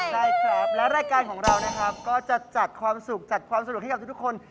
ได้ครับและรายการของเรานะครับก็จะจัดความสุขจัดความสนุกให้กับทุกคน